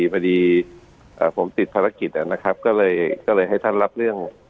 เมื่อดีอ่าผมติดภารกิจอ่ะนะครับก็เลยก็เลยให้ท่านรับเรื่อง